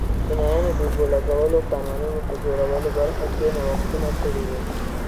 چینایانو د اوبو لګولو او کانالونو جوړولو په برخه کې نوښتونه کړي وو.